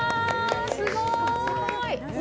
すごーい！